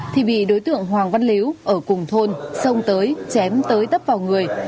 thì bị đối tượng hoàng văn liếu ở cùng thôn sông tới chém tới tấp vào người